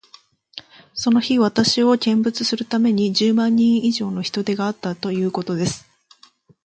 その日、私を見物するために、十万人以上の人出があったということです。